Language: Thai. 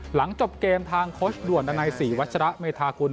หลังจบเกมทางโคชด่วนดันไน๔วัชระเมธาคุณ